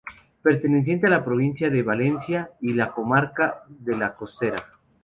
Perteneciente a la provincia de Valencia y a la comarca de La Costera.